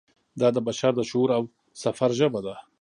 دا د بشر د شعور او سفر ژبه ده.